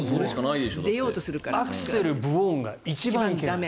アクセルブオーンが一番いけない。